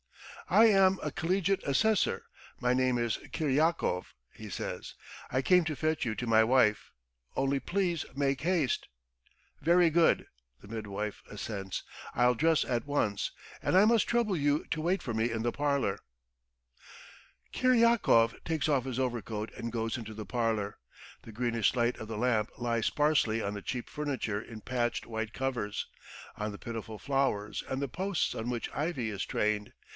"I am a collegiate assessor, my name is Kiryakov," he says. "I came to fetch you to my wife. Only please make haste." "Very good ..." the midwife assents. "I'll dress at once, and I must trouble you to wait for me in the parlour." Kiryakov takes off his overcoat and goes into the parlour. The greenish light of the lamp lies sparsely on the cheap furniture in patched white covers, on the pitiful flowers and the posts on which ivy is trained. ..